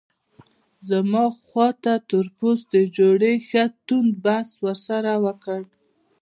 زما خواته تور پوستي جوړې ښه توند بحث ورسره وکړ.